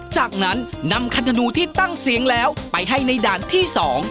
จากนั้นนำคันธนูที่ตั้งเสียงแล้วไปให้ในด่านที่สอง